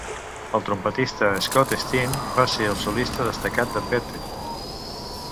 El trompetista Scott Steen va ser el solista destacat de Bette.